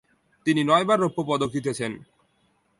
তিনি নয়বার রৌপ্য পদক জিতেছেন।